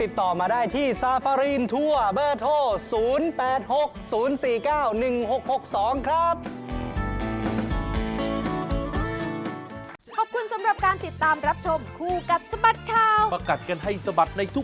ติดต่อมาได้ที่ซาฟารีนทั่วเบอร์โทร๐๘๖๐๔๙๑๖๖๒ครับ